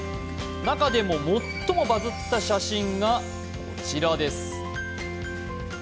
中でも最もバズった写真がこちらです。